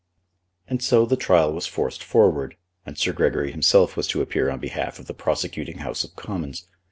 And so the trial was forced forward, and Sir Gregory himself was to appear on behalf of the prosecuting House of Commons.